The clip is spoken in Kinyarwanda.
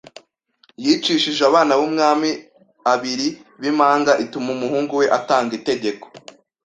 Yicishije abana ’bumwami abiri ’bimpanga ituma umuhungu we atanga itegeko